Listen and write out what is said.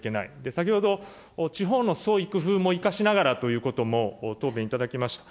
先ほど、地方の創意工夫も生かしながらということも答弁いただきました。